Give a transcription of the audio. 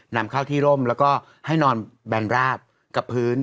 นำเข้าที่ร่มแล้วก็ให้นอนแบนราบกับพื้น